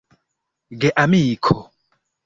geamiko